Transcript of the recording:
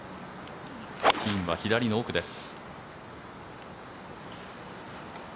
ピンは左の奥です。